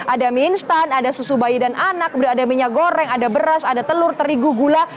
ada mie instan ada susu bayi dan anak kemudian ada minyak goreng ada beras ada telur terigu gula